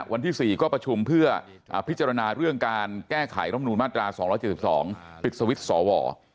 วันที่๔ก็ประชุมเพื่อพิจารณาเรื่องการแก้ไขรำนูนมาตรา๒๗๒ปิดสวิตช์สว